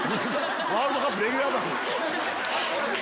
ワールドカップレギュラー番組？